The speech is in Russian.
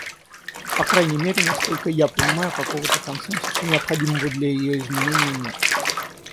По крайней мере, насколько я понимаю, какого-то консенсуса, необходимого для ее изменения, нет.